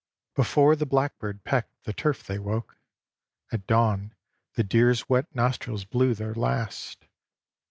XX Before the blackbird pecked the turf they woke; At dawn the deer's wet nostrils blew their last.